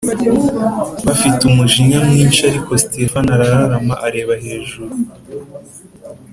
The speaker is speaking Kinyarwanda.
bafite umujinya mwinshi Ariko Sitefano arararama areba hejuru